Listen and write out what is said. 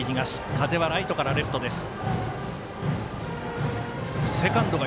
風はライトからレフトです。